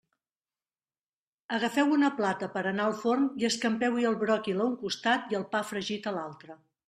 Agafeu una plata per a anar al forn i escampeu-hi el bròquil a un costat i el pa fregit a l'altre.